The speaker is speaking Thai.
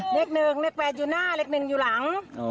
เลข๑เลข๘อยู่หน้าเลข๑อยู่หลัง